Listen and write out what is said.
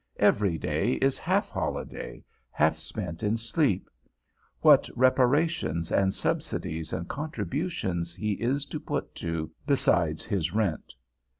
Every day is half holiday, half spent in sleep. What reparations, and subsidies, and contributions he is put to, besides his rent!